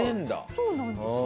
そうなんですよ。